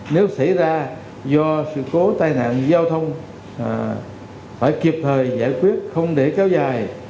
nếu xảy ra do sự cố tai nạn giao thông phải kịp thời giải quyết không để kéo dài